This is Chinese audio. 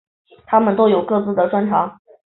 他们都有各自的专长。